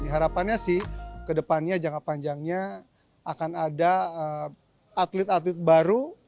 harapannya sih kedepannya jangka panjangnya akan ada atlet atlet baru